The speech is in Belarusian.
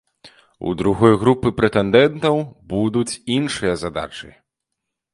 У другой групы прэтэндэнтаў будуць іншыя задачы.